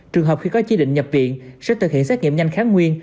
trường hợp khi có chỉ định nhập viện sẽ thực hiện xét nghiệm nhanh kháng nguyên